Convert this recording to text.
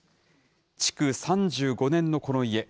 築３５年のこの家。